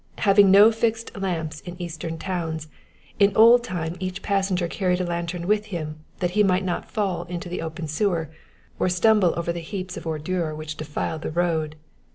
Having no fixed lamps in eastern towns, in old time each passenger carried a lantern with him that he might not fall into the open sewer, or stumble over the heaps of ordure which defiled the road.